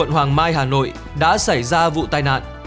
hà nội đã xảy ra vụ tai nạn